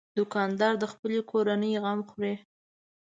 دوکاندار د خپلې کورنۍ غم خوري.